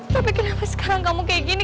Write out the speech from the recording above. tapi kenapa sekarang kamu kayak gini